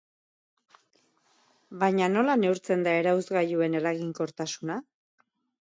Baina nola neurtzen da erauzgailuen eraginkortasuna?